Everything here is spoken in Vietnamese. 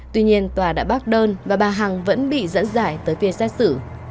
tuy nhiên tòa đã bác đơn và bà hằng vẫn bị dẫn dải tới phía xét xử